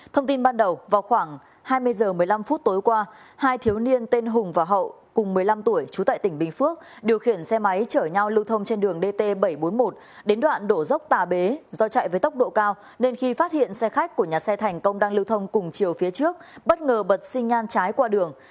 thông tin ban đầu vào khoảng hai mươi h một mươi năm phút tối qua hai thiếu niên tên hùng và hậu cùng một mươi năm tuổi trú tại tỉnh bình phước điều khiển xe máy chở nhau lưu thông trên đường dt bảy trăm bốn mươi một đến đoạn đổ dốc tà bế do chạy với tốc độ cao nên khi phát hiện xe khách của nhà xe thành công đang lưu thông cùng chiều phía trước bất ngờ bật sinh nhan trái qua đường